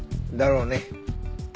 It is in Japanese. だろうね。